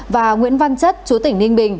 và nguyễn văn chất chúa tỉnh ninh bình